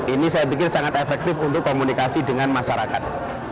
ini saya pikir sangat efektif untuk komunikasi dengan masyarakat